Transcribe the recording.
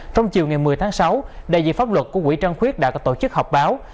trong chiều ngày một mươi tháng sáu đại diện pháp luật của quỹ trăng khuyết đã có tổ chức họp báo